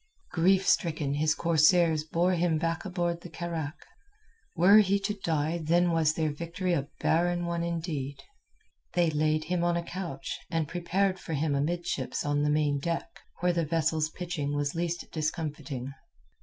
Grief stricken his corsairs bore him back aboard the carack. Were he to die then was their victory a barren one indeed. They laid him on a couch prepared for him amidships on the main deck, where the vessel's pitching was least discomfiting.